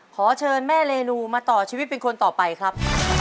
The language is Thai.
ขอเชิญแม่เรนูมาต่อชีวิตเป็นคนต่อไปครับ